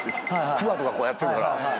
くわとかこうやってるから。